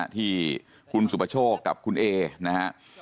ที่คุณสุประโชคกับคุณเอนะฮะ